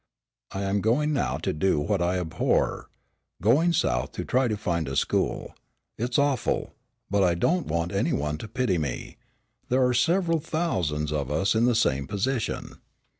I am going now to do what I abhor. Going South to try to find a school. It's awful. But I don't want any one to pity me. There are several thousands of us in the same position.